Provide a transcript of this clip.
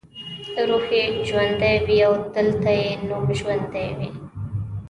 روح یې ژوندی وي او دلته یې نوم ژوندی وي.